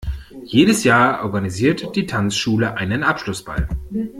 Jedes Jahr organisiert die Tanzschule einen Abschlussball.